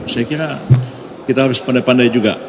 saya kira kita harus pandai pandai juga